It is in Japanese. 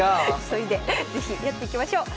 急いで是非やっていきましょう。